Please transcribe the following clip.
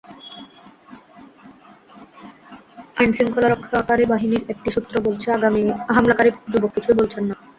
আইনশৃঙ্খলা রক্ষাকারী বাহিনীর একটি সূত্র বলছে, হামলাকারী যুবক কিছুই বলছেন না।